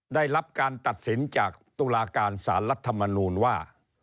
ได้รับการตัดสินจากตุลาการสารรัฐมนูลว่า